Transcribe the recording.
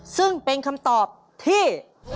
ซึ่งเป็นคำตอบที่